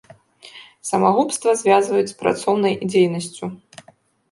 Самагубства звязваюць з працоўнай дзейнасцю.